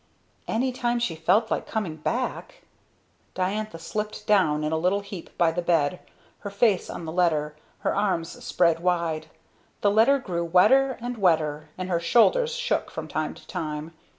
"Any time she felt like coming back? Diantha slipped down in a little heap by the bed, her face on the letter her arms spread wide. The letter grew wetter and wetter, and her shoulders shook from time to time.